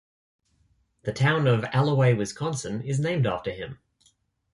The town of Allouez, Wisconsin is named after him.